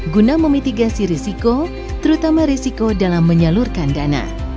guna memitigasi risiko terutama risiko dalam menyalurkan dana